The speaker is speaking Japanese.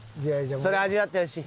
それを味わってほしい。